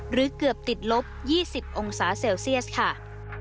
หรือเกือบติดลบ๒๐องศาเซลเซียสค่ะ